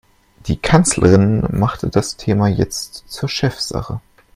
Die Kanzlerin machte das Thema jetzt zur Chefsache.